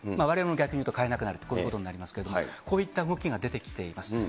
われわれも逆に言うと、買えなくなると、こういうことになります、こういった動きが出てきています。